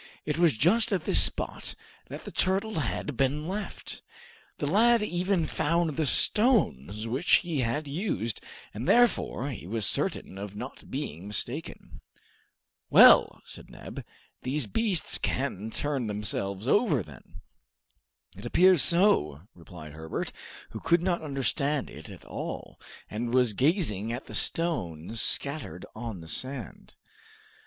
It was just at this spot that the turtle had been left. The lad even found the stones which he had used, and therefore he was certain of not being mistaken. "Well!" said Neb, "these beasts can turn themselves over, then?'' "It appears so," replied Herbert, who could not understand it at all, and was gazing at the stones scattered on the sand.